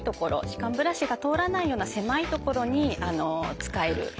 歯間ブラシが通らないような狭い所に使える。